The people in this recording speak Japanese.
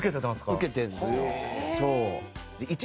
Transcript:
受けてるんですよ。